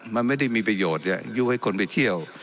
มันไม่ได้มีประโยชน์ยุ่งให้คนไปเที่ยว